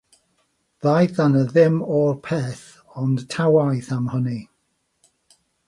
Ddaeth yna ddim o'r peth, ond ta waeth am hynny.